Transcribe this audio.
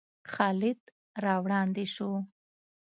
خالد را وړاندې شو.